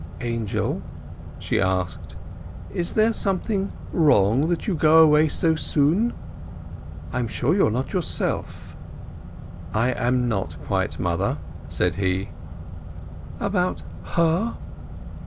"Angel," she asked, "is there something wrong that you go away so soon? I am quite sure you are not yourself." "I am not, quite, mother," said he. "About her?